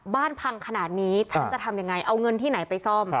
บ้านพังขนาดนี้ฉันจะทำยังไงเอาเงินที่ไหนไปซ่อม